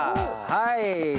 はい。